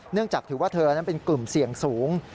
จากถือว่าเธอนั้นเป็นกลุ่มเสี่ยงสูง